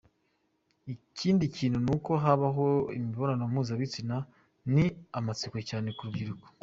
Ikindi kintu gituma habaho imibonano mpuzabitsina ni amatsiko cyane ku rubyiruko.